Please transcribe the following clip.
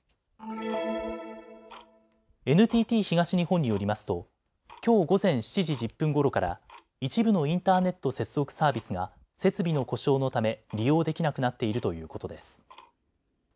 ＮＴＴ東日本によりますときょう午前７時１０分ごろから一部のインターネット接続サービスが設備の故障のため利用できなくなっているということです。